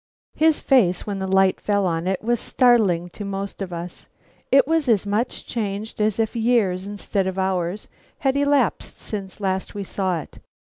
His face when the light fell on it was startling to most of us. It was as much changed as if years, instead of hours, had elapsed since last we saw it.